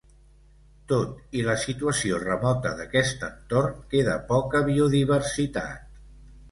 Tot i la situació remota d'aquest entorn, queda poca biodiversitat.